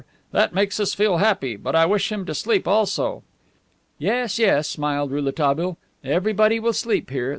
"That makes us feel happy, but I wish him to sleep also." "Yes, yes," smiled Rouletabille, "everybody will sleep here.